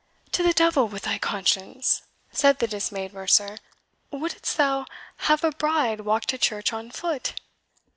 "To the devil with thy conscience!" said the dismayed mercer. "Wouldst thou have a bride walk to church on foot?"